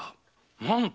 なんと！